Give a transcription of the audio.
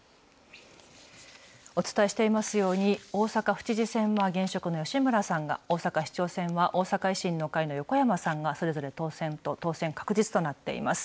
お伝えしていますように、大阪府知事選は、現職の吉村さんが、大阪市長選は、大阪維新の会の横山さんが、それぞれ当選と、当選確実となっています。